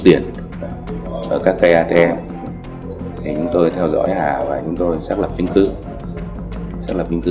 tiền ở các cây atm thì chúng tôi theo dõi hà và chúng tôi xác lập chứng cứ xác lập chứng cứ